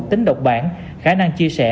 tính độc bản khả năng chia sẻ